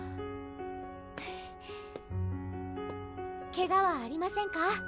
けがはありませんか？